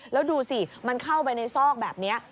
แล้วดูสิมันเข้าไปในซอกแบบนี้